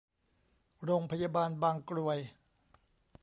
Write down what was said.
โรงพยาบาลบางกรวย